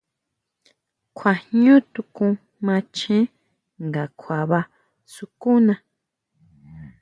Kjua ʼñú tukún macheé nga kjuaba sukuna.